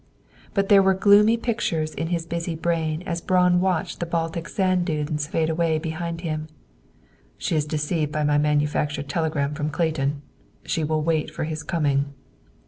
But there were gloomy projects in his busy brain as Braun watched the Baltic sand dunes fade away behind him. "She is deceived by my manufactured telegram from Clayton. She will wait for his coming."